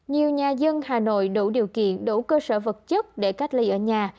nhiều nhà dân hà nội đủ điều kiện đủ cơ sở vật chất để cách ly ở nhà